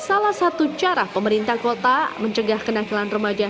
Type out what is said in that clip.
salah satu cara pemerintah kota mencegah kenakalan remaja